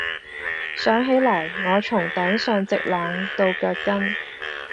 想起來，我從頂上直冷到腳跟。